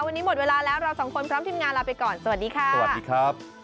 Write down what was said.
วันนี้หมดเวลาแล้วเราสองคนพร้อมทีมงานลาไปก่อนสวัสดีค่ะสวัสดีครับ